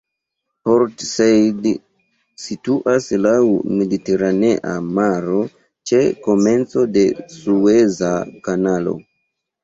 Port Said situas laŭ Mediteranea Maro ĉe komenco de Sueza Kanalo.